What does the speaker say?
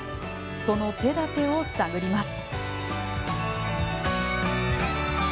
その手立てを探ります。